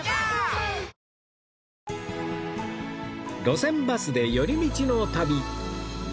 『路線バスで寄り道の旅』